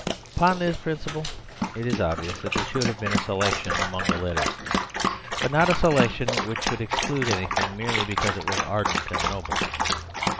Upon this principle it is obvious that there should have been a selection among the Letters, but not a selection which should exclude anything merely because it was ardent and noble.